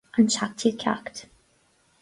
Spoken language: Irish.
An seachtú ceacht